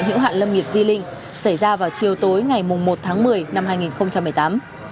hữu hạn lâm nghiệp di linh xảy ra vào chiều tối ngày một tháng một mươi năm hai nghìn một mươi tám